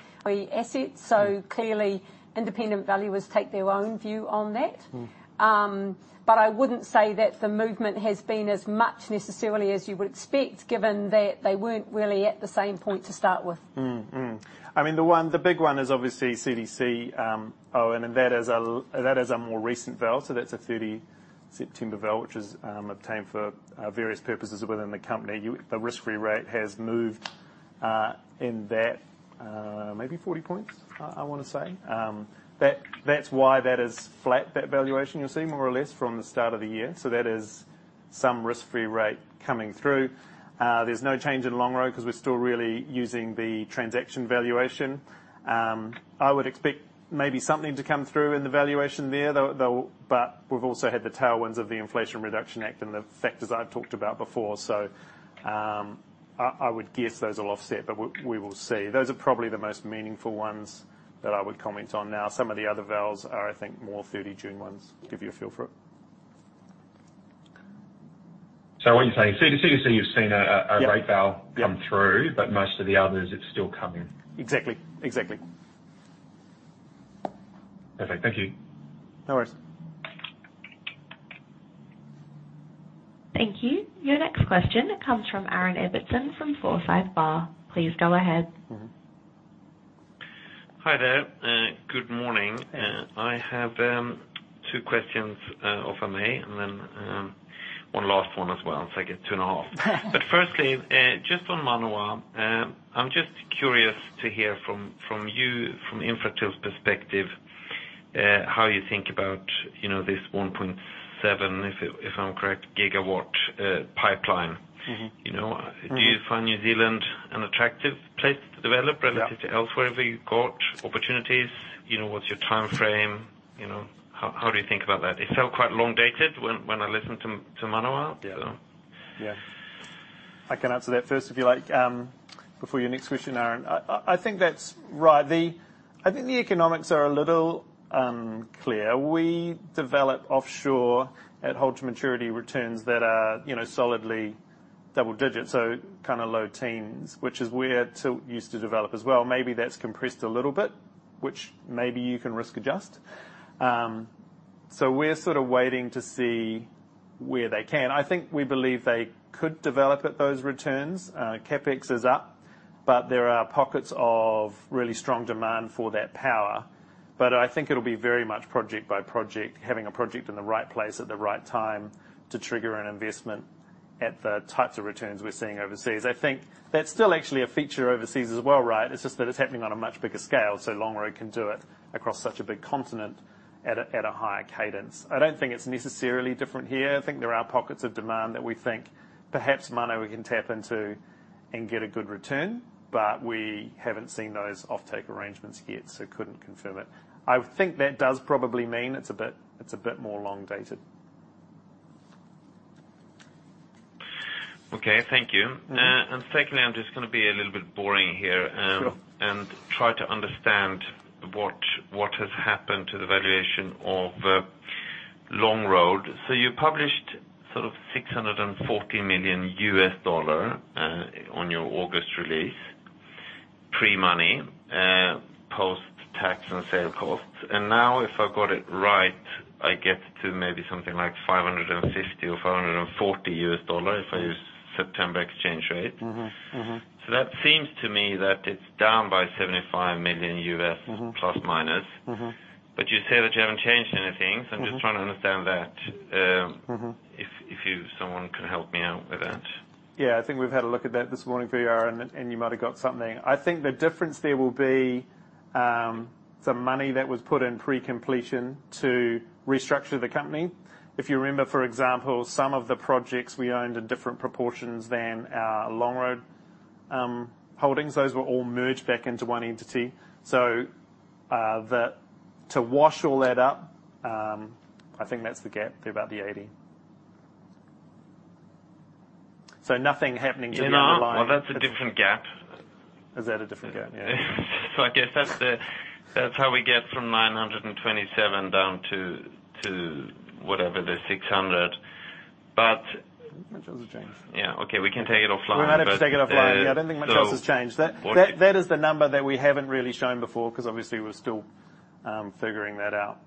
S2: so clearly independent valuers take their own view on that.
S1: Mm.
S2: I wouldn't say that the movement has been as much necessarily as you would expect, given that they weren't really at the same point to start with.
S1: I mean, the big one is obviously CDC, Owen, and that is a more recent valuation, so that's a 30 September valuation, which is obtained for various purposes within the company. The risk-free rate has moved in that maybe 40 points, I wanna say. That's why that is flat, that valuation you're seeing, more or less from the start of the year. That is some risk-free rate coming through. There's no change in Longroad 'cause we're still really using the transaction valuation. I would expect maybe something to come through in the valuation there, though. We've also had the tailwinds of the Inflation Reduction Act and the factors I've talked about before. I would guess those will offset, but we will see. Those are probably the most meaningful ones that I would comment on now. Some of the other valuations are, I think, more 30 June ones, give you a feel for it.
S4: What you're saying, CDC, you've seen a
S1: Yeah.
S4: Rate will come through.
S1: Yeah.
S4: most of the others, it's still coming.
S1: Exactly. Exactly.
S4: Perfect. Thank you.
S1: No worries.
S3: Thank you. Your next question comes from Aaron Ibbotson from Forsyth Barr. Please go ahead.
S1: Mm-hmm.
S5: Hi there. Good morning. I have 2 questions, if I may, and then 1 last one as well. I guess 2.5. Firstly, just on Manawa, I'm just curious to hear from you, from Infratil's perspective, how you think about, you know, this 1.7, if I'm correct, gigawatt pipeline?
S1: Mm-hmm.
S5: You know.
S1: Mm-hmm.
S5: Do you find New Zealand an attractive place to develop?
S1: Yeah.
S5: Relative to elsewhere where you've got opportunities? You know, what's your timeframe? You know, how do you think about that? It felt quite long-dated when I listened to Manawa.
S1: Yeah.
S5: So.
S1: Yeah. I can answer that first, if you like, before your next question, Aaron. I think that's right. I think the economics are a little clear. We develop offshore at hold-to-maturity returns that are, you know, solidly double digits, so kinda low teens, which is where Tilt used to develop as well. Maybe that's compressed a little bit, which maybe you can risk adjust. So we're sorta waiting to see where they can. I think we believe they could develop at those returns. CapEx is up, but there are pockets of really strong demand for that power. But I think it'll be very much project by project, having a project in the right place at the right time to trigger an investment at the types of returns we're seeing overseas. I think that's still actually a feature overseas as well, right? It's just that it's happening on a much bigger scale, so Longroad can do it across such a big continent at a higher cadence. I don't think it's necessarily different here. I think there are pockets of demand that we think perhaps Manawa can tap into and get a good return, but we haven't seen those offtake arrangements yet, so couldn't confirm it. I think that does probably mean it's a bit more long-dated.
S5: Okay. Thank you.
S1: Mm-hmm.
S5: Secondly, I'm just gonna be a little bit boring here.
S1: Sure
S5: Try to understand what has happened to the valuation of Longroad. You published sort of $640 million on your August release, pre-money, post-tax and sale costs. If I've got it right, I get to maybe something like $550 or $540 if I use September exchange rate.
S1: Mm-hmm, mm-hmm.
S5: That seems to me that it's down by $75 million
S1: Mm-hmm.
S5: ±.
S1: Mm-hmm.
S5: You say that you haven't changed anything.
S1: Mm-hmm.
S5: I'm just trying to understand that.
S1: Mm-hmm
S5: If someone can help me out with that.
S1: Yeah. I think we've had a look at that this morning for you, Aaron, and you might have got something. I think the difference there will be some money that was put in pre-completion to restructure the company. If you remember, for example, some of the projects we owned in different proportions than our Longroad holdings, those were all merged back into one entity. To wash all that up, I think that's the gap of about 80. Nothing happening to the underlying-
S5: You know, well, that's a different gap.
S1: Is that a different gap? Yeah.
S5: I guess that's how we get from 927 down to whatever, the 600. But-
S1: Not much has changed.
S5: Yeah. Okay, we can take it offline.
S1: We're happy to take it offline. Yeah, I don't think much else has changed.
S5: So-
S1: That is the number that we haven't really shown before 'cause obviously we're still figuring that out.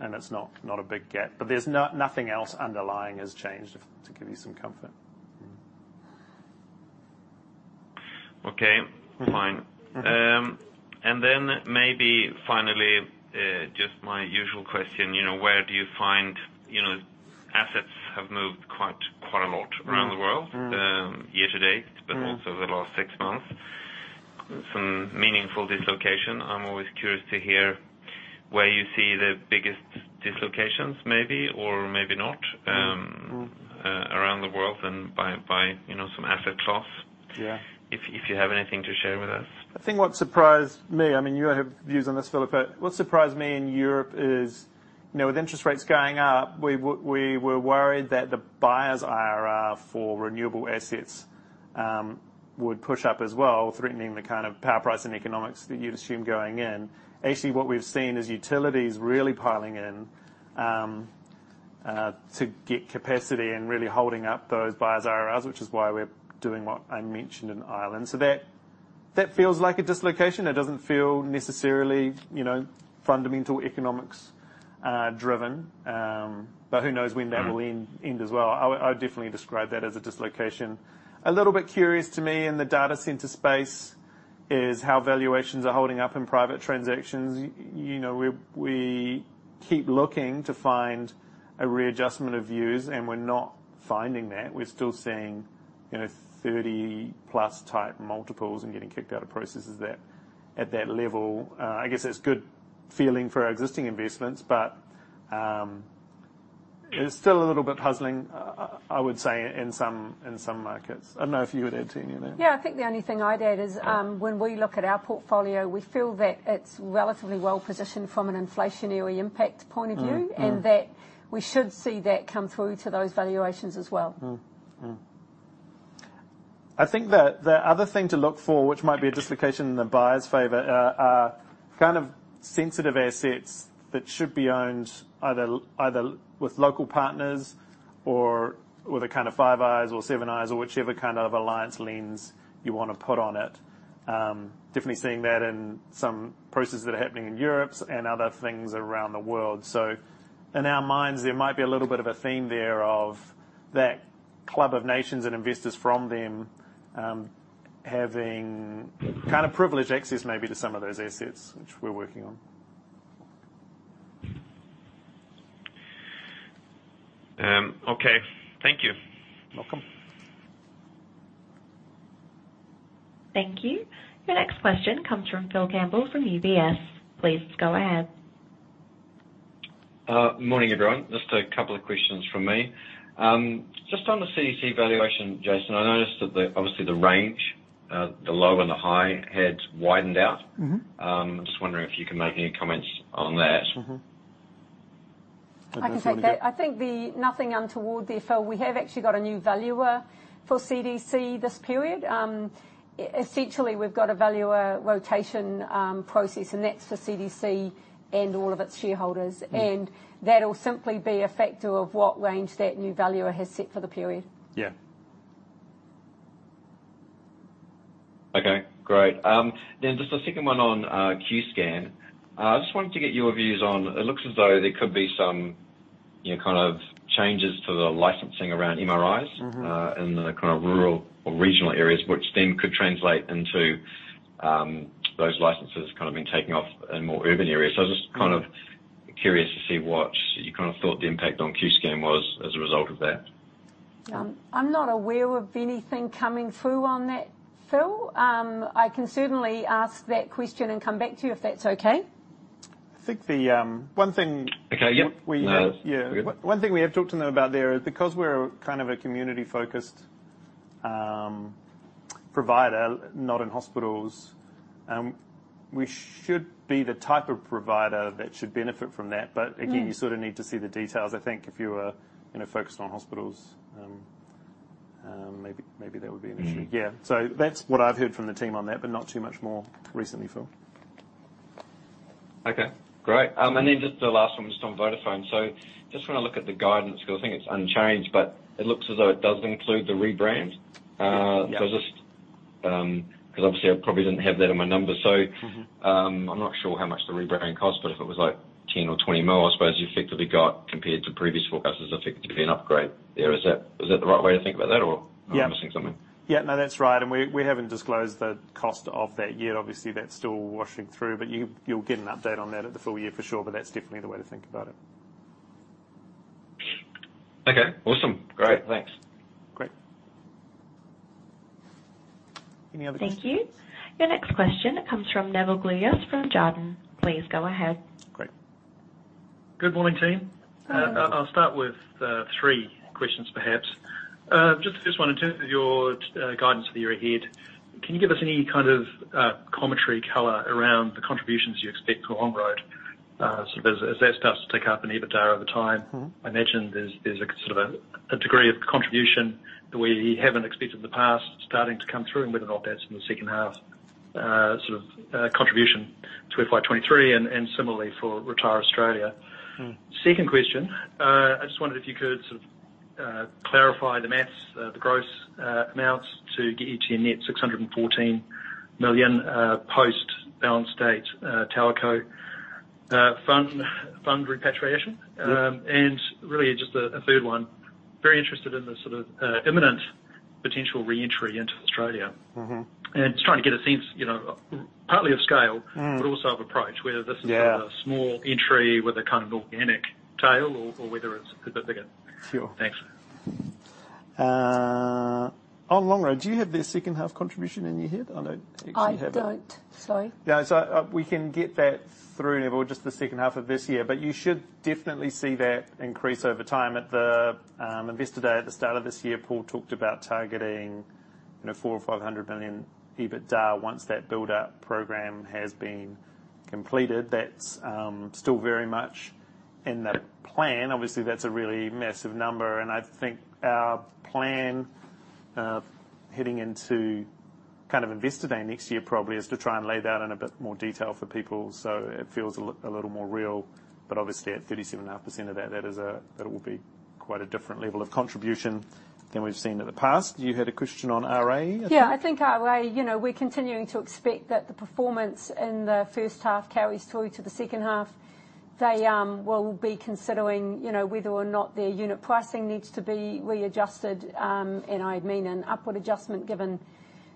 S1: It's not a big gap. There's nothing else underlying has changed, to give you some comfort.
S5: Okay. Fine.
S1: Mm-hmm.
S5: Maybe finally, just my usual question, you know, where do you find, you know, to date, but also the last six months, some meaningful dislocation. I'm always curious to hear where you see the biggest dislocations, maybe or maybe not.
S1: Mm-hmm
S5: around the world and by, you know, some asset class.
S1: Yeah.
S5: If you have anything to share with us.
S1: I think what surprised me. I mean, you have views on this, Phillippa. What surprised me in Europe is, you know, with interest rates going up, we were worried that the buyers' IRR for renewable assets would push up as well, threatening the kind of power price and economics that you'd assume going in. Actually, what we've seen is utilities really piling in to get capacity and really holding up those buyers' IRRs, which is why we're doing what I mentioned in Ireland. That feels like a dislocation. That doesn't feel necessarily, you know, fundamental economics driven. Who knows when that will end as well. I would definitely describe that as a dislocation. A little bit curious to me in the data center space is how valuations are holding up in private transactions. You know, we keep looking to find a readjustment of views, and we're not finding that. We're still seeing, you know, 30+ type multiples and getting kicked out of processes that, at that level. I guess it's good feeling for our existing investments, but it's still a little bit puzzling, I would say in some markets. I don't know if you would add to any of that.
S2: Yeah. I think the only thing I'd add is.
S1: Yeah
S2: When we look at our portfolio, we feel that it's relatively well-positioned from an inflationary impact point of view.
S1: Mm-hmm.
S2: that we should see that come through to those valuations as well.
S1: I think the other thing to look for, which might be a dislocation in the buyer's favor, are kind of sensitive assets that should be owned either with local partners or with a kind of Five Eyes or whichever kind of alliance lens you wanna put on it. Definitely seeing that in some processes that are happening in Europe and other things around the world. In our minds, there might be a little bit of a theme there of that club of nations and investors from them having kind of privileged access maybe to some of those assets, which we're working on.
S5: Okay. Thank you.
S1: Welcome.
S3: Thank you. Your next question comes from Phil Campbell from UBS. Please go ahead.
S6: Good morning, everyone. Just a couple of questions from me. Just on the CDC valuation, Jason, I noticed that obviously the range, the low and the high had widened out.
S1: Mm-hmm.
S6: Just wondering if you can make any comments on that.
S1: Mm-hmm.
S2: I can take that. I think nothing untoward there, Phil. We have actually got a new valuer for CDC this period. Essentially, we've got a valuer rotation process, and that's for CDC and all of its shareholders.
S1: Mm.
S2: That'll simply be a factor of what range that new valuer has set for the period.
S1: Yeah.
S6: Okay, great. Just a second one on Qscan. Just wanted to get your views on it. It looks as though there could be some, you know, kind of changes to the licensing around MRIs.
S1: Mm-hmm
S6: In the kind of rural or regional areas, which then could translate into those licenses kind of being taken off in more urban areas. I was just kind of curious to see what you kind of thought the impact on Qscan was as a result of that?
S2: I'm not aware of anything coming through on that, Phil. I can certainly ask that question and come back to you, if that's okay.
S1: I think the one thing.
S6: Okay, yep.
S1: We, yeah-
S6: No, we're good.
S1: One thing we have talked to them about there, because we're kind of a community-focused provider, not in hospitals, we should be the type of provider that should benefit from that. Again,
S2: Mm
S1: You sort of need to see the details. I think if you were, you know, focused on hospitals, maybe there would be an issue.
S6: Mm-hmm.
S1: Yeah. That's what I've heard from the team on that, but not too much more recently, Phil.
S6: Okay, great. Just the last one just on Vodafone. Just when I look at the guidance, 'cause I think it's unchanged, but it looks as though it does include the rebrand.
S1: Yeah.
S6: Just, 'cause obviously I probably didn't have that in my numbers.
S1: Mm-hmm
S6: I'm not sure how much the rebranding cost, but if it was like 10 million or 20 million, I suppose you effectively got compared to previous forecasts, effectively an upgrade there. Is that the right way to think about that, or-
S1: Yeah
S6: Am I missing something?
S1: Yeah, no, that's right. We haven't disclosed the cost of that yet. Obviously, that's still washing through. You'll get an update on that at the full year for sure, but that's definitely the way to think about it.
S6: Okay, awesome.
S1: Great.
S6: Thanks.
S1: Great. Any other questions?
S3: Thank you. Your next question comes from Nevill Gluyas from Jarden. Please go ahead.
S1: Great.
S7: Good morning, team.
S1: Morning.
S7: I'll start with three questions perhaps. Just the first one, in terms of your guidance for the year ahead, can you give us any kind of commentary color around the contributions you expect for Longroad, sort of as that starts to tick up in EBITDA over time?
S1: Mm-hmm.
S7: I imagine there's a sort of a degree of contribution that we haven't seen in the past starting to come through and whether or not that's in the second half sort of contribution to FY 2023 and similarly for RetireAustralia.
S1: Mm.
S7: Second question, I just wondered if you could sort of clarify the math, the gross amounts to get you to your net 614 million, post-balance date, Telco fund repatriation.
S1: Yeah.
S7: Really just a third one, very interested in the sort of imminent potential re-entry into Australia.
S1: Mm-hmm.
S7: Just trying to get a sense, you know, partly of scale.
S1: Mm.
S7: -but also of approach, whether this is-
S1: Yeah
S7: a small entry with a kind of organic tail or whether it's a bit bigger.
S1: Sure.
S7: Thanks.
S1: On Longroad, do you have their second half contribution in your head? I know you actually have it.
S2: I don't. Sorry.
S1: We can get that through, Nevill, just the second half of this year, but you should definitely see that increase over time. At the Investor Day at the start of this year, Paul talked about targeting, you know, 400-500 million EBITDA once that buildup program has been completed. That's still very much in the plan. Obviously, that's a really massive number, and I think our plan heading into Investor Day next year probably is to try and lay that in a bit more detail for people so it feels a little more real. But obviously, at 37.5% of that it will be quite a different level of contribution than we've seen in the past. You had a question on RA, I think.
S2: Yeah, I think RA, you know, we're continuing to expect that the performance in the first half carries through to the second half. They will be considering, you know, whether or not their unit pricing needs to be readjusted. I mean an upward adjustment given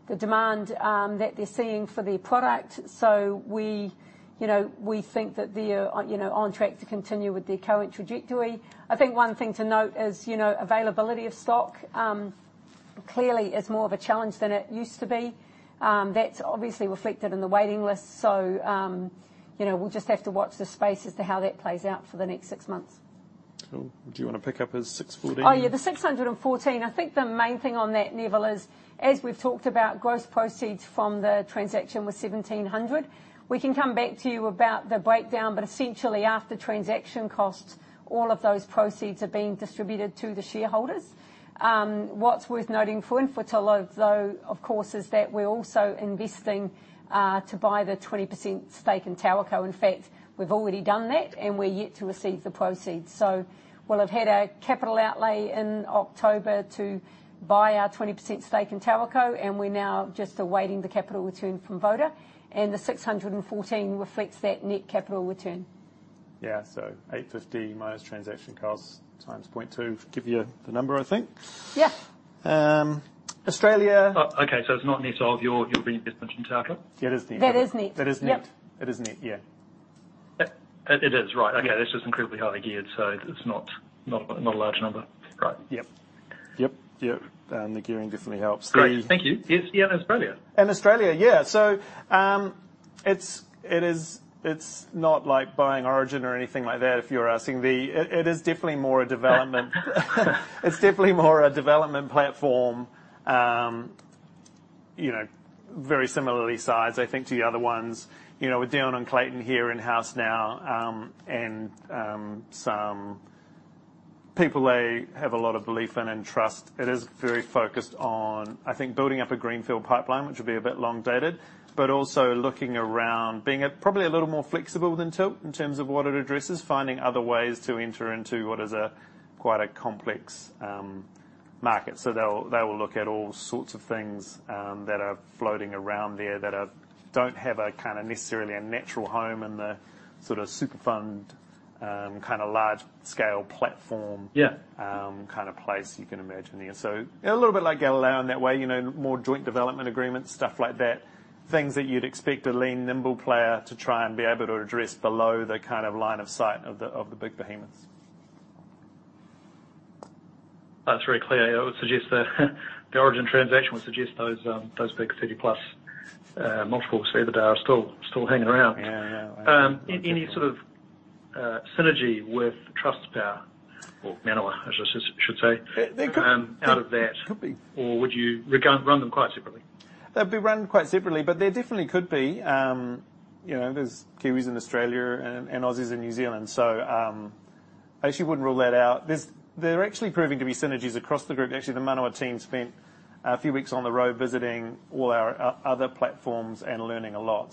S2: the demand that they're seeing for their product. We, you know, we think that they are, you know, on track to continue with their current trajectory. I think one thing to note is, you know, availability of stock clearly is more of a challenge than it used to be. That's obviously reflected in the waiting list. You know, we'll just have to watch this space as to how that plays out for the next six months.
S1: Cool. Do you wanna pick up his 6:14?
S2: Oh, yeah, the 614. I think the main thing on that, Nevill, is, as we've talked about, gross proceeds from the transaction were 1,700. We can come back to you about the breakdown, but essentially, after transaction costs, all of those proceeds are being distributed to the shareholders. What's worth noting for Infratil, though, of course, is that we're also investing to buy the 20% stake in TowerCo. In fact, we've already done that, and we're yet to receive the proceeds. We'll have had a capital outlay in October to buy our 20% stake in TowerCo, and we're now just awaiting the capital return from Voda. The 614 reflects that net capital return.
S1: Yeah. 850 minus transaction costs times 0.2 give you the number, I think.
S2: Yeah.
S1: Um, Australia-
S7: Oh, okay. It's not net of your reinvestment in TowerCo?
S1: It is net.
S2: That is net.
S1: That is net.
S2: Yep.
S1: It is net, yeah.
S7: It is. Right. Okay.
S1: Yeah.
S7: That's just incredibly highly geared, so it's not a large number. Right.
S1: Yep. The gearing definitely helps.
S7: Great. Thank you. Yes. Yeah, and Australia?
S1: Australia, yeah. It's not like buying Origin or anything like that, if you're asking. It's definitely more a development platform. You know, very similarly sized, I think, to the other ones. You know, with Dion and Clayton here in-house now, and some people they have a lot of belief in and trust, it is very focused on, I think, building up a greenfield pipeline, which will be a bit long dated. Also looking around being a, probably a little more flexible than Tilt in terms of what it addresses, finding other ways to enter into what is a quite a complex market. They will look at all sorts of things that are floating around there that don't have a kind of necessarily a natural home in the sort of super fund, kind of large-scale platform.
S7: Yeah
S1: Kinda place you can imagine there. A little bit like Galileo in that way. You know, more joint development agreements, stuff like that. Things that you'd expect a lean, nimble player to try and be able to address below the kind of line of sight of the big behemoths.
S7: That's very clear. I would suggest that the Origin transaction would suggest those big city plus multiples through the door are still hanging around.
S1: Yeah. Yeah.
S7: Any sort of synergy with Trustpower or Manawa, as I should say?
S1: There could-
S7: Out of that.
S1: There could be.
S7: Would you run them quite separately?
S1: They'd be run quite separately, but there definitely could be, you know, there's Kiwis in Australia and Aussies in New Zealand. I actually wouldn't rule that out. They're actually proving to be synergies across the group. Actually, the Manawa team spent a few weeks on the road visiting all our other platforms and learning a lot.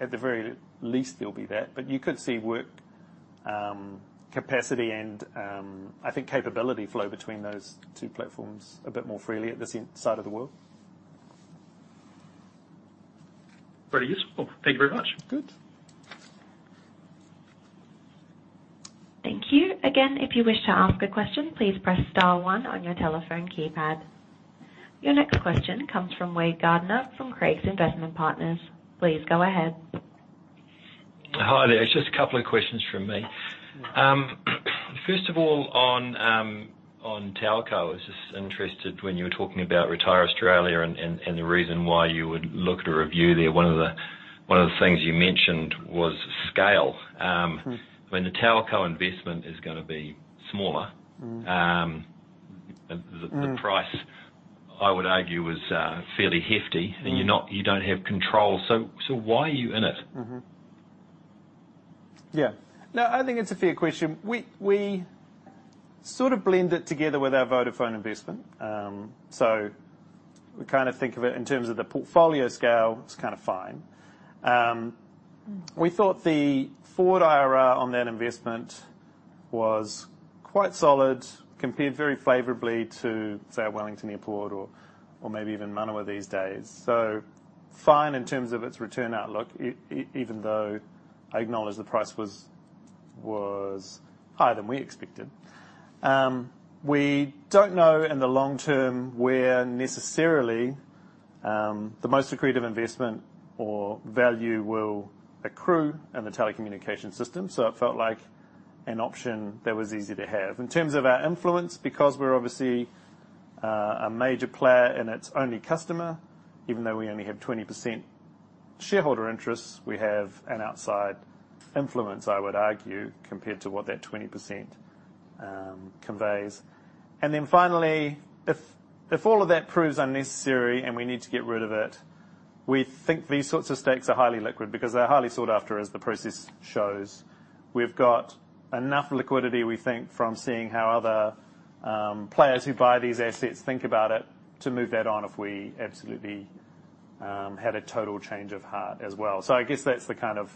S1: At the very least there'll be that. You could see work, capacity and, I think capability flow between those two platforms a bit more freely at this end of the world.
S7: Very useful. Thank you very much.
S1: Good.
S3: Thank you. Again, if you wish to ask a question, please press star one on your telephone keypad. Your next question comes from Wade Gardiner from Craigs Investment Partners. Please go ahead.
S8: Hi there. It's just a couple of questions from me. First of all, on TowerCo, I was just interested when you were talking about RetireAustralia and the reason why you would look to review there. One of the things you mentioned was scale.
S1: Mm.
S8: When the TowerCo investment is gonna be smaller.
S1: Mm.
S8: The price
S1: Mm
S8: I would argue was fairly hefty.
S1: Mm.
S8: You don't have control. Why are you in it?
S1: Yeah. No, I think it's a fair question. We sort of blend it together with our Vodafone investment. We kind of think of it in terms of the portfolio scale, it's kinda fine. We thought the forward IRR on that investment was quite solid, compared very favorably to, say, our Wellington Airport or maybe even Manawa these days. Fine in terms of its return outlook even though I acknowledge the price was higher than we expected. We don't know in the long term where necessarily the most accretive investment or value will accrue in the telecommunication system, so it felt like an option that was easy to have. In terms of our influence, because we're obviously a major player and its only customer, even though we only have 20% shareholder interest, we have an outside influence, I would argue, compared to what that 20%, conveys. Then finally, if all of that proves unnecessary and we need to get rid of it, we think these sorts of stakes are highly liquid because they're highly sought after as the process shows. We've got enough liquidity, we think, from seeing how other players who buy these assets think about it to move that on if we absolutely had a total change of heart as well. I guess that's the kind of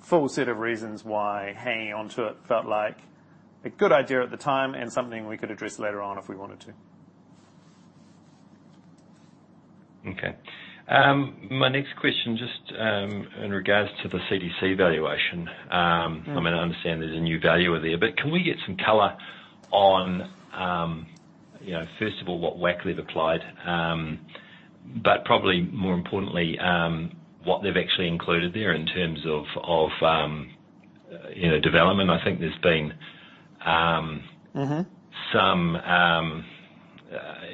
S1: full set of reasons why hanging on to it felt like a good idea at the time and something we could address later on if we wanted to.
S8: Okay. My next question, just, in regards to the CDC valuation.
S1: Mm-hmm.
S8: I mean, I understand there's a new valuer there, but can we get some color on, you know, first of all, what WACC they've applied, but probably more importantly, what they've actually included there in terms of, you know, development. I think there's been
S1: Mm-hmm
S8: some,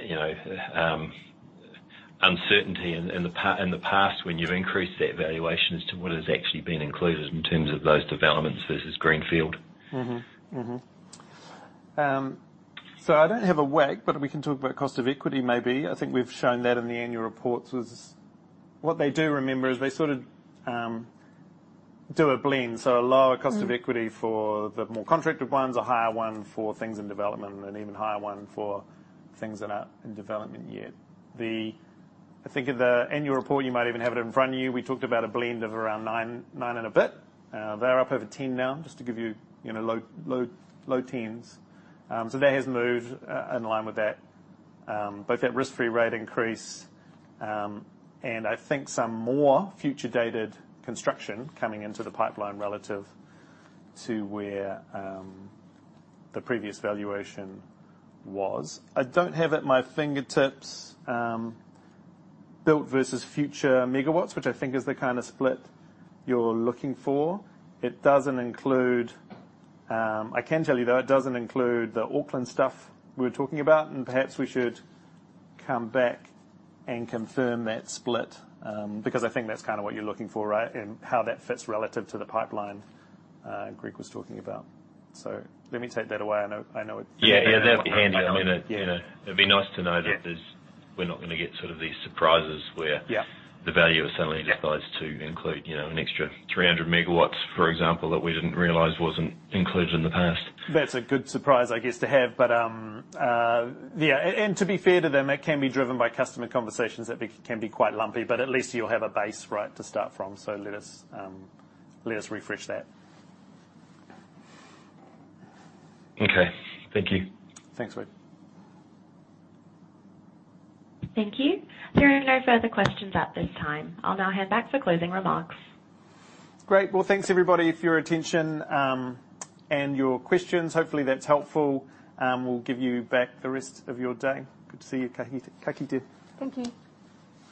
S8: you know, uncertainty in the past when you've increased that valuation as to what has actually been included in terms of those developments versus greenfield.
S1: I don't have a WACC, but we can talk about cost of equity maybe. I think we've shown that in the annual reports. What they do, remember, is they sort of do a blend, so a lower-
S8: Mm-hmm
S1: Cost of equity for the more contracted ones, a higher one for things in development, and an even higher one for things that are in development yet. I think in the annual report, you might even have it in front of you. We talked about a blend of around 9 and a bit. They're up over 10 now, just to give you know, low teens. So that has moved in line with that, both that risk-free rate increase, and I think some more future-dated construction coming into the pipeline relative to where the previous valuation was. I don't have at my fingertips built versus future megawatts, which I think is the kinda split you're looking for. It doesn't include. I can tell you, though, it doesn't include the Auckland stuff we were talking about, and perhaps we should come back and confirm that split, because I think that's kinda what you're looking for, right? How that fits relative to the pipeline, Greg was talking about. Let me take that away. I know it.
S8: Yeah, yeah. That'd be handy. I mean, you know, it'd be nice to know that there's.
S1: Yeah.
S8: We're not gonna get sort of these surprises where.
S1: Yeah
S8: The value is suddenly revised to include, you know, an extra 300 MW, for example, that we didn't realize wasn't included in the past.
S1: That's a good surprise, I guess, to have. Yeah, and to be fair to them, that can be driven by customer conversations that can be quite lumpy, but at least you'll have a base, right, to start from. Let us refresh that.
S8: Okay. Thank you.
S1: Thanks, Wade.
S3: Thank you. There are no further questions at this time. I'll now hand back for closing remarks.
S1: Great. Well, thanks, everybody, for your attention, and your questions. Hopefully, that's helpful. We'll give you back the rest of your day. Good to see you. Ka kite. Thank you.